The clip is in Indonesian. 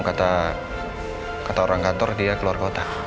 kata kata orang kantor dia keluar kota